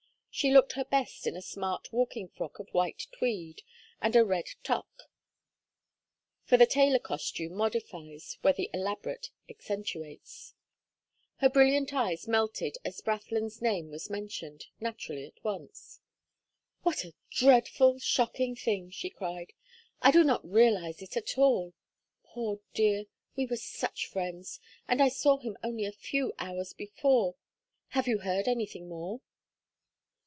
She looked her best in a smart walking frock of white tweed, and a red toque; for the tailor costume modifies where the elaborate accentuates. Her brilliant eyes melted as Brathland's name was mentioned; naturally at once. "What a dreadful shocking thing!" she cried. "I do not realize it at all. Poor dear, we were such friends and I saw him only a few hours before. Have you heard anything more?"